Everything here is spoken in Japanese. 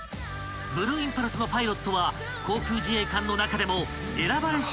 ブルーインパルスのパイロットは航空自衛官の中でも選ばれし］